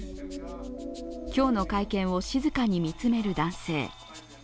今日の会見を静かに見つめる男性。